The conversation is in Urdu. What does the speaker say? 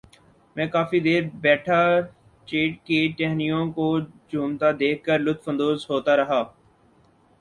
میں کافی دیر بیٹھا چیڑ کی ٹہنیوں کو جھومتا دیکھ کر لطف اندوز ہوتا رہا